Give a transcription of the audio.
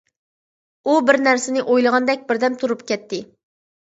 ئۇ بىرنەرسىنى ئويلىغاندەك بىردەم تۇرۇپ كەتتى.